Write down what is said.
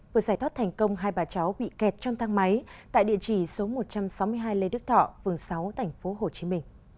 vừa giải thoát thành công hai bà cháu bị kẹt trong thang máy tại địa chỉ số một trăm sáu mươi hai lê đức thọ vườn sáu tp hcm